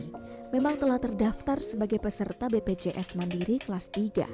ini memang telah terdaftar sebagai peserta bpjs mandiri kelas tiga